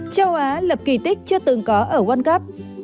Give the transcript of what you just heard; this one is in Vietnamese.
châu á lập kỳ tích chưa từng có ở world cup